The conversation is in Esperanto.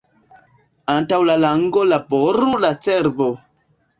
Antaŭ la lango laboru la cerbo.